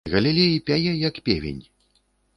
Галілей пяе, як певень.